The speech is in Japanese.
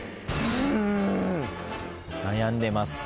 悩んでます